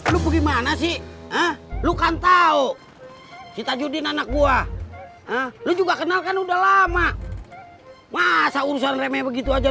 lu sih lu kan tahu kita judin anak gua lu juga kenalkan udah lama masa urusan reme begitu aja